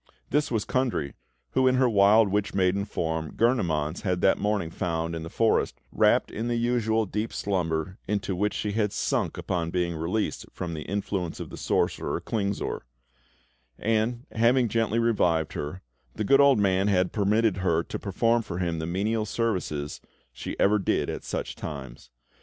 This was Kundry, who, in her wild witch maiden form, Gurnemanz had that morning found in the forest, wrapped in the usual deep slumber, into which she had sunk upon being released from the influence of the sorcerer, Klingsor; and, having gently revived her, the good old man had permitted her to perform for him the menial services she ever did at such times.